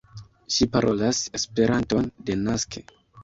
Ŝi parolas Esperanton denaske.